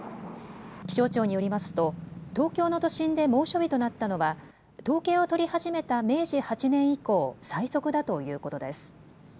気象庁によりますと東京の都心で猛暑日となったのは統計を取り始めた明治８年以降、最速だということです。